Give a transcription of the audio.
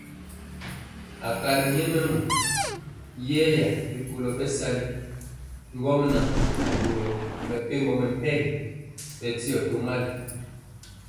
Akali nyɛmemɔ yeya rikolo bɛsali ŋgomnaŋ nɛ boro mepempɔ mɛmpegi bɛndiɔ tomali.